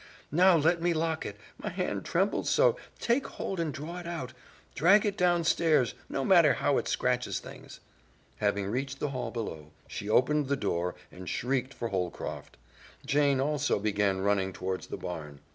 "Now let me lock it; my hand trembles so; take hold and draw it out; drag it downstairs; no matter how it scratches things!" Having reached the hall below, she opened the door and shrieked for Holcroft; Jane also began running toward the barn.